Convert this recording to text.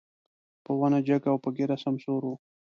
په ونه جګ او په ږيره سمسور و.